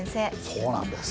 そうなんです。